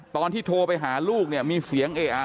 ตอนที่โทรไปหาลูกเนี่ยมีเสียงเออะ